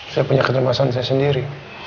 saya punya kecemasan saya sendiri